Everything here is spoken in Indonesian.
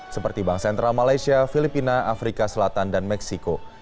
seperti bank sentral malaysia filipina afrika selatan dan meksiko